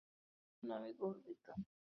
ছেলের জন্য আমি গর্বিত।